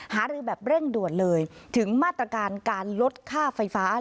หารือแบบเร่งด่วนเลยถึงมาตรการการลดค่าไฟฟ้า